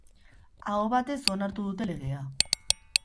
Aho batez onartu dute legea.